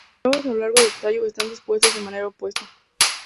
Las hojas a lo largo del tallo están dispuestas de manera opuesta.